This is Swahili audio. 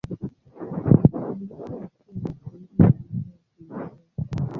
Alikuwa pia mshairi wa lugha ya Kiingereza.